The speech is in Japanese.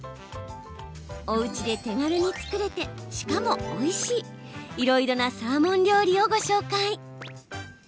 おうちで手軽に作れてしかも、おいしいいろいろなサーモン料理をご紹介。